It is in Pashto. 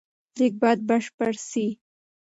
لیک باید بشپړ سي.